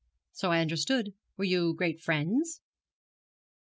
'So I understood. Were you great friends?'